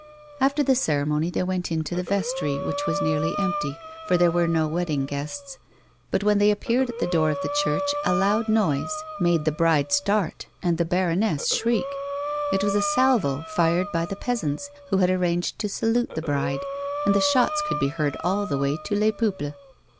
After the ceremony they went into the vestiy, which was nearly empty, for there were no wedding guests ; but when they appeared at the door of the church a loud noise made the bride start and the baroness shriek ; it was a salvo fired by the peasants, who had arranged to salute the bride, and the shots could be heard all the way to Les Peuples.